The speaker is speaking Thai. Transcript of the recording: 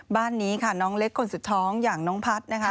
บ้านนี้ค่ะน้องเล็กคนสุดท้องอย่างน้องพัฒน์นะคะ